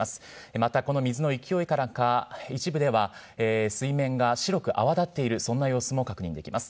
またこの水の勢いからか一部では水面が白く泡立っている、そんな様子も確認できます。